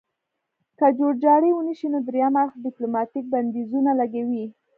که جوړجاړی ونشي نو دریم اړخ ډیپلوماتیک بندیزونه لګوي